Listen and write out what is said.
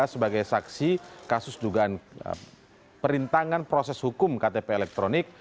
sebagai saksi kasus dugaan perintangan proses hukum ktp elektronik